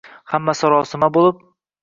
Hamma sarosima bo‘lib